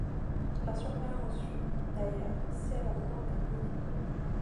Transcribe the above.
La surveillance fut, d’ailleurs, sévèrement organisée